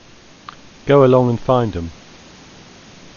Go along and find 'em.